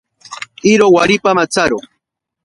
Iro waripa matsaro.